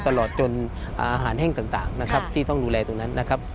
ตลอดจนอาหารแห้งต่างนะครับที่ต้องดูแลตรงนั้นนะครับ